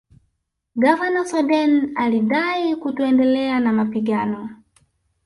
Gavana Soden alidai kutoendelea na mapigano